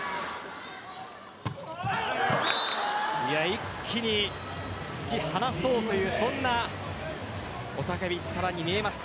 一気に突き離そうというそんな雄たけび、力に見えました